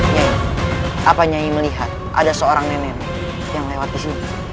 nyai apa nyai melihat ada seorang nenek yang lewat sini